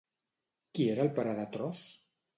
Qui era el pare de Tros?